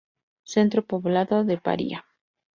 Centro poblado de Paria.